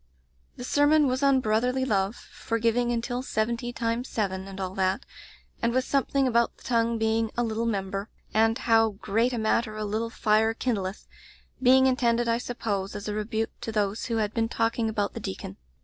"The sermon was on brotherly love — ^for giving until seventy times seven, and all that, and with something about the tongue being a 'little member* and 'how great a matter a litde fire kindleth* — ^being intended, I sup pose, as a rebuke to those who had been talking about the deacon.